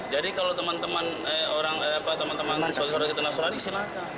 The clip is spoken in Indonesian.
jadi kalau teman teman orang teman teman orang kita nasurani silahkan